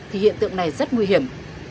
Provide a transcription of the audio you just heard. thì hiện tượng này rất nguy hiểm